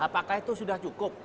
apakah itu sudah cukup